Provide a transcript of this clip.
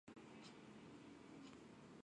あはふうふ